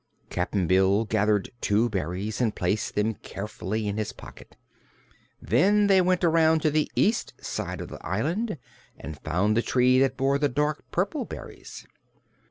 Cap'n Bill gathered two berries and placed them carefully in his pocket. Then they went around to the east side of the island and found the tree that bore the dark purple berries.